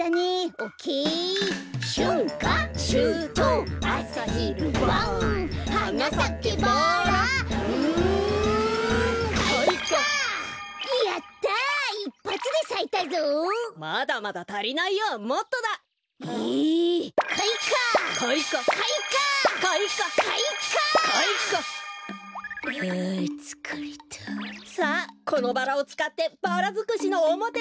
さあこのバラをつかってバラづくしのおもてなしをするよ。